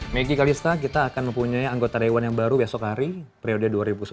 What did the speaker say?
maggie kalista kita akan mempunyai anggota dewan yang baru besok hari periode dua ribu sembilan belas dua ribu dua